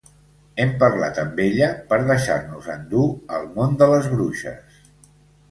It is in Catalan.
Hem parlat amb ella per deixar-nos endur al món de les bruixes.